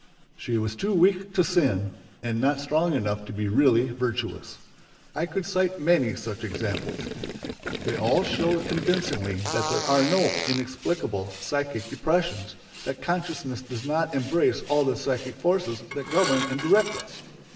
She was too weak to sin and not strong enough to be really virtuous. I could cite many such examples. They all show convincingly that there are no "inexplicable" psychic depressions, that consciousness does not embrace all the psychic forces that govern and direct us.